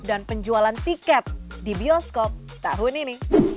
dan penjualan tiket di bioskop tahun ini